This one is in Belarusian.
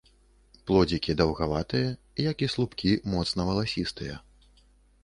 Плодзікі даўгаватыя, як і слупкі моцна валасістыя.